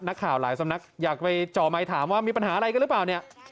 นักข่าวหลายสำนักอยากไปจ่อไมค์ถามว่ามีปัญหาอะไรกันหรือเปล่าเนี่ย